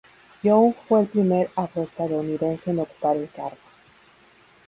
Young fue el primer afroestadounidense en ocupar el cargo.